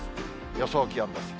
予想気温です。